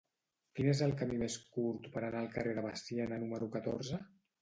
Quin és el camí més curt per anar al carrer de Veciana número catorze?